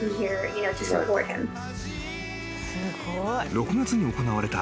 ［６月に行われた］